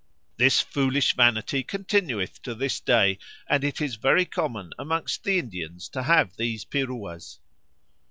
This foolish vanity continueth to this day, and it is very common amongst the Indians to have these _Piruas.